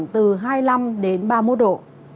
từ hai mươi năm đến ba mươi một độ